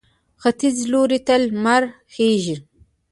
ختیځ لوري ته لمر خېژي.